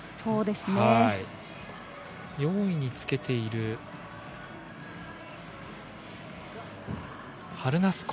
４位につけているハルナスコ。